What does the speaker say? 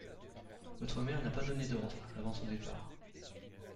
Votre mère n'a pas donné d'ordres avant son départ.